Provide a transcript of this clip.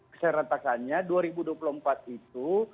keseratakannya dua ribu dua puluh empat itu